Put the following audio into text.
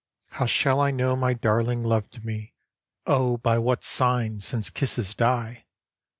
; How shall I know my Darling loved me, Oh ! by what sign, since kisses die